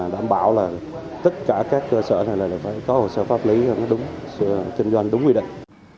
đảm bảo tất cả các cơ sở này phải có hồ sơ pháp lý kinh doanh đúng quy định